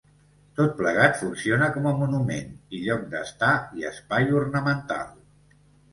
Tot plegat funciona com a monument i lloc d'estar i espai ornamental.